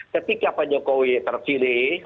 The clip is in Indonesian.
ketika pak jokowi terpilih